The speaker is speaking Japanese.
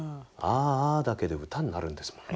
「ああ」だけで歌になるんですもんね。